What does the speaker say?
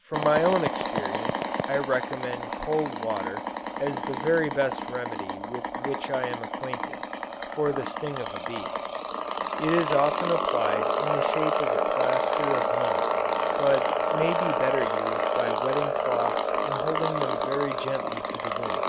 From my own experience, I recommend cold water as the very best remedy with which I am acquainted, for the sting of a bee. It is often applied in the shape of a plaster of mud, but may be better used by wetting cloths and holding them gently to the wound.